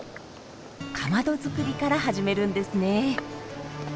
かまど作りから始めるんですね。